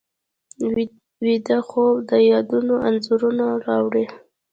ویده خوب د یادونو انځورونه راوړي